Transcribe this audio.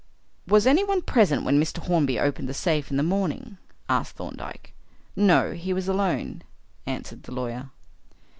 "Was anyone present when Mr. Hornby opened the safe in the morning?" asked Thorndyke. "No, he was alone," answered the lawyer.